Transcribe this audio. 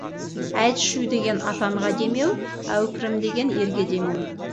«Әйт шүу» деген атанға демеу, «Әупірім» деген ерге демеу.